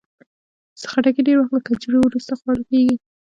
خټکی ډېر وخت له کجورو وروسته خوړل کېږي.